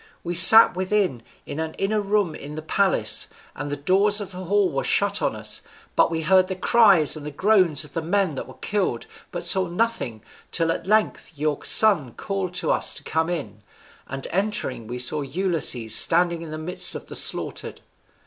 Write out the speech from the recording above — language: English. We sat within, in an inner room in the palace, and the doors of the hall were shut on us, but we heard the cries and the groans of the men that were killed, but saw nothing, till at length your son called to us to come in, and entering we saw Ulysses standing in the midst of the slaughtered."